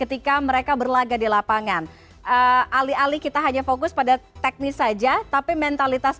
etika mereka berlaga di lapangan ah ah li ali kita hanya fokus pada teknis saja tapi mentalitas